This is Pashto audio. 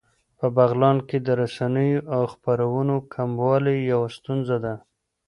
په بغلان کې د رسنیو او خپرونو کموالی يوه ستونزه ده